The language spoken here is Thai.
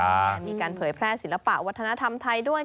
มีการเผยแพร่ศิลปะวัฒนธรรมไทยด้วย